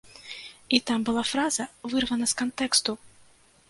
І там была фраза вырвана з кантэксту!